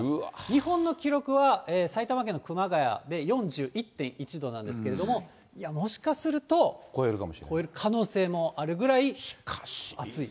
日本の記録は埼玉県の熊谷で４１．１度なんですけれども、いや、もしかすると超える可能性もあるぐらい暑い。